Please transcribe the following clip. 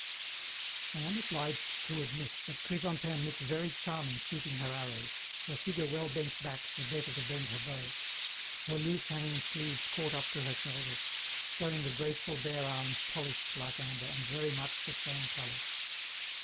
I am obliged to admit that Chrysantheme looks very charming shooting her arrows, her figure well bent back the better to bend her bow; her loose hanging sleeves caught up to her shoulders, showing the graceful bare arms polished like amber and very much the same color.